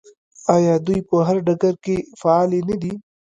آیا دوی په هر ډګر کې فعالې نه دي؟